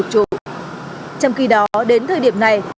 trong khi đó đến thời điểm này